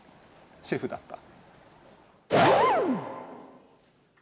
シェフだった。